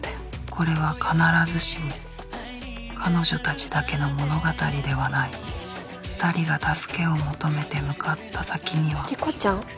これは必ずしも彼女たちだけの物語ではない２人が助けを求めて向かった先には理子ちゃん！？